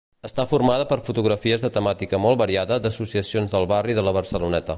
Està formada per fotografies de temàtica molt variada d'associacions del barri de la Barceloneta.